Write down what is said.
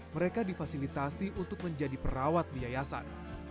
mereka difasilitasi untuk menjadi perawat di yayasan